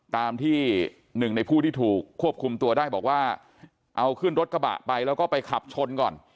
ตามที่หนึ่งในผู้ที่ถูกควบคุมตัวได้บอกว่าเอาขึ้นรถกระบะไปแล้วก็ไปขับชนก่อน